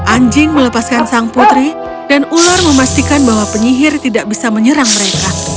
anjing melepaskan sang putri dan ular memastikan bahwa penyihir tidak bisa menyerang mereka